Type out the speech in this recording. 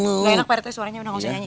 gak enak prt suaranya udah gak usah nyanyi